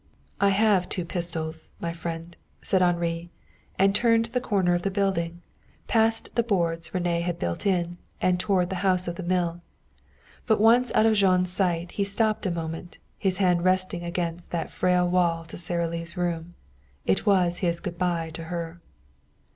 "I have two pistols, my friend," said Henri, and turned the corner of the building, past the boards René had built in, toward the house of the mill. But once out of Jean's sight he stopped a moment, his hand resting against that frail wall to Sara Lee's room. It was his good by to her.